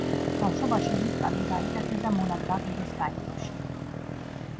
ბავშვობაში რუსტამი გაიტაცეს და მონად გაყიდეს კაიროში.